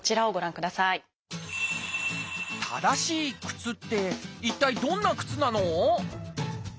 正しい靴って一体どんな靴なの？